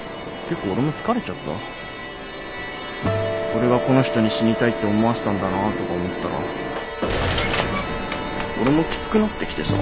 俺がこの人に死にたいって思わせたんだなとか思ったら俺もきつくなってきてさ。